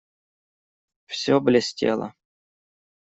Всё блестело.